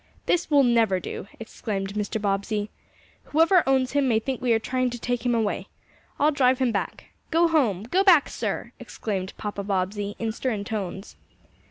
"This will never do!" exclaimed Mr. Bobbsey. "Whoever owns him may think we are trying to take him away. I'll drive him back. Go home! Go back, sir!" exclaimed Papa Bobbsey in stern tones.